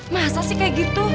masa sih kayak gitu